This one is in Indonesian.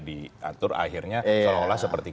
diatur akhirnya seolah olah seperti